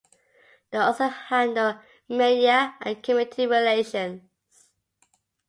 They also handle media and community relations.